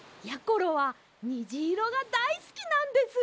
ころはにじいろがだいすきなんです。